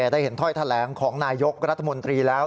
ได้เห็นถ้อยแถลงของนายกรัฐมนตรีแล้ว